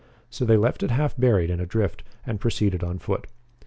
So they left it half buried in a drift and proceeded on foot.